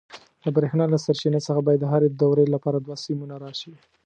د برېښنا له سرچینې څخه باید د هرې دورې لپاره دوه سیمونه راشي.